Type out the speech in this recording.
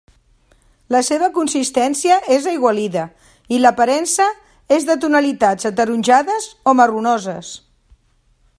La seva consistència és aigualida i l'aparença és de tonalitats ataronjades o marronoses.